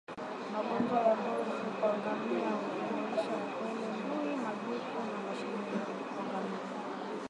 Magonjwa ya ngozi kwa ngamia hujumuisha upele ndui majipu na mashilingi kwa ngamia